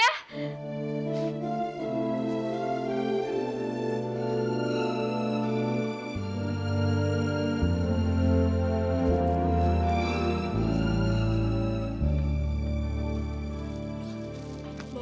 yaudah sekarang kita pulang ya